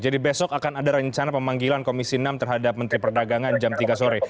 jadi besok akan ada rencana pemanggilan komisi enam terhadap menteri perdagangan jam tiga sore